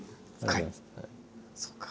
そうか。